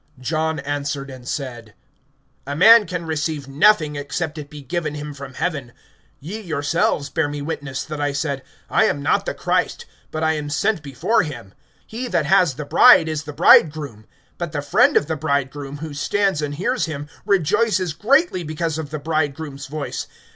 (27)John answered and said: A man can receive nothing, except it be given him from heaven. (28)Ye yourselves bear me witness, that I said, I am not the Christ, but I am sent before him. (29)He that has the bride is the bridegroom. But the friend of the bridegroom, who stands and hears him, rejoices greatly because of the bridegroom's voice.